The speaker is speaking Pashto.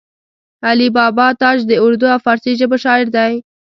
علي بابا تاج د اردو او فارسي ژبو شاعر دی